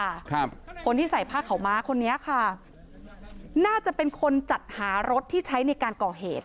ครับคนที่ใส่ผ้าขาวม้าคนนี้ค่ะน่าจะเป็นคนจัดหารถที่ใช้ในการก่อเหตุ